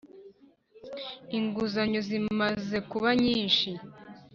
Inguzanyo zimaze kubanyishi.